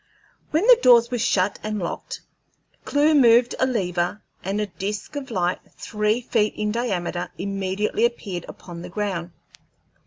When the doors were shut and locked, Clewe moved a lever, and a disk of light three feet in diameter immediately appeared upon the ground.